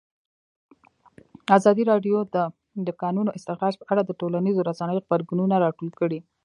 ازادي راډیو د د کانونو استخراج په اړه د ټولنیزو رسنیو غبرګونونه راټول کړي.